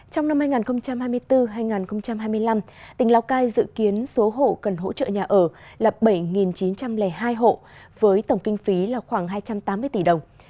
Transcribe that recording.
trong năm hai nghìn hai mươi bốn hai nghìn hai mươi năm tỉnh lào cai dự kiến số hộ cần hỗ trợ nhà ở là bảy chín trăm linh hai hộ với tổng kinh phí là khoảng hai trăm tám mươi tỷ đồng